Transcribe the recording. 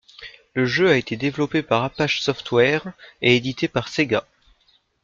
Le jeu a été développé par Apache Software et édité par Sega.